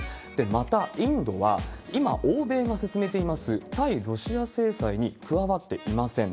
また、インドは今、欧米が進めています対ロシア制裁に加わっていません。